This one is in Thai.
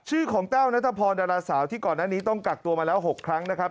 ชื่อของแต้วนัทพรดาราสาวที่ก่อนหน้านี้ต้องกักตัวมาแล้ว๖ครั้งนะครับ